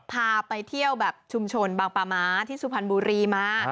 พาไปเที่ยวแบบชุมชนบางปลาม้าที่สุพรรณบุรีมา